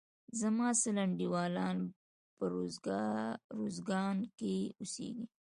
زما سل انډيوالان په روزګان کښي اوسيږي.